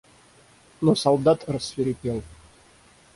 Но солдат рассвирепел.